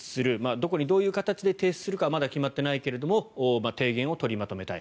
どこにどういう形で提出するかはまだ決まっていないけれど提言を取りまとめたい。